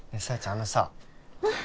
あのさうん？